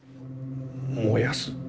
燃やす？